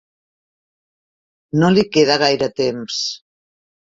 No li queda gaire temps.